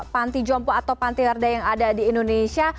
panti jompo atau panti rada yang ada di indonesia